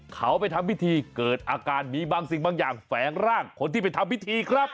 เขาไปทำพิธีเกิดอาการมีบางสิ่งบางอย่างแฝงร่างคนที่ไปทำพิธีครับ